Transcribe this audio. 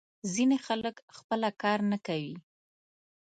ځینې خلک خپله کار نه کوي.